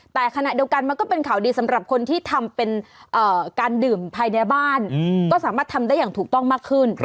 แต่ขณะเดียวกันมันก็เป็นข่าวดีสำหรับคนที่ทำเป็นการดื่มภายในบ้านก็สามารถทำได้อย่างถูกต้องมากขึ้น